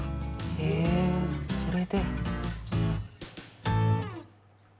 へえそれで。